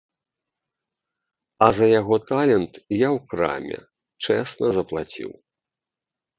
А за яго талент я ў краме чэсна заплаціў.